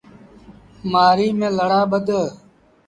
مهآريٚ ميݩ لڙآ ٻڌ۔